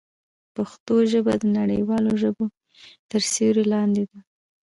پښتو ژبه د نړیوالو ژبو تر سیوري لاندې ده.